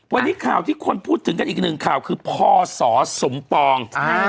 วันนี้ข่าวที่คนพูดถึงกันอีกหนึ่งข่าวคือพศสมปอง